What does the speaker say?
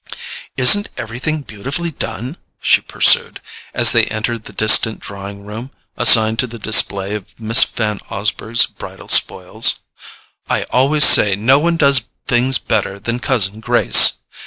"Isn't everything beautifully done?" she pursued, as they entered the distant drawing room assigned to the display of Miss Van Osburgh's bridal spoils. "I always say no one does things better than cousin Grace!